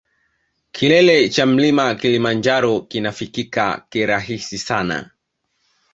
Kilele cha mlima kilimanjaro kinafikika kirahisi sana